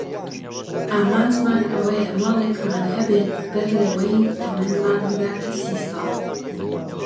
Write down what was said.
ئامانجمان ئەوەیە ماڵێکمان هەبێت بەر لەوەی تەمەنمان بگاتە سی ساڵ.